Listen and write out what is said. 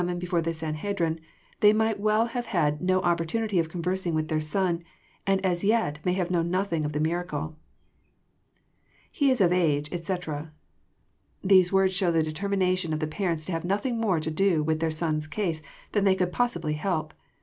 IX. 157 moned before the Sanhedrim, they might well have had no opportunity of conversing with their son, and as yet may have kno^n nothing of the miracle. [J7e is of age, etc,'] These words show the determination of the parents to have nothing more to do with their son's case than they could possibly help.